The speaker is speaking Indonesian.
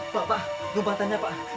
pak pak gue mau tanya pak